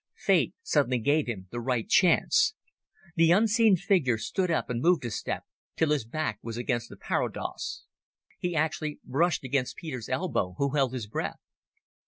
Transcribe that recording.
Fate suddenly gave him the right chance. The unseen figure stood up and moved a step, till his back was against the parados. He actually brushed against Peter's elbow, who held his breath.